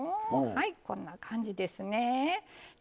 はいこんな感じですね。